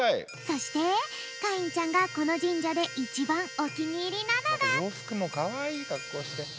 そしてかいんちゃんがこのじんじゃでいちばんおきにいりなのが。